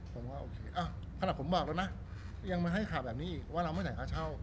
ขนาดผมบอกแล้วยังมาให้ข่าบแบบนี้ว่าเราไม่ชะโค่เช่า